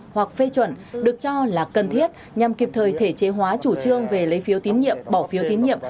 hoặc phê chuẩn được cho là cần thiết nhằm kịp thời thể chế hóa chủ trương về lấy phiếu tín nhiệm bỏ phiếu tín nhiệm